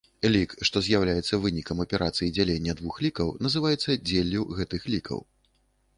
Лік, што з'яўляецца вынікам аперацыі дзялення двух лікаў, называецца дзеллю гэтых лікаў.